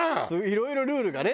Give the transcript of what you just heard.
いろいろルールがね